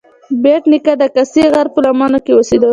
بېټ نیکه د کسي غره په لمنو کې اوسیده.